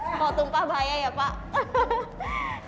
kalau tumpah bahaya ya pak